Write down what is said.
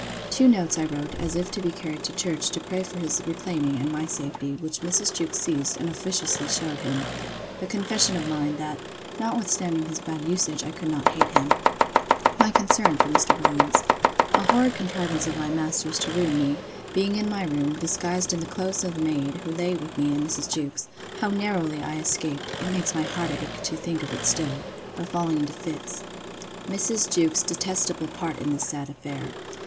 Two notes I wrote, as if to be carried to church, to pray for his reclaiming, and my safety; which Mrs. Jewkes seized, and officiously shewed him. A confession of mine, that, notwithstanding his bad usage, I could not hate him. My concern for Mr. Williams. A horrid contrivance of my master's to ruin me; being in my room, disguised in clothes of the maid's, who lay with me and Mrs. Jewkes. How narrowly I escaped, (it makes my heart ache to think of it still!) by falling into fits. Mrs. Jewkes's detestable part in this sad affair.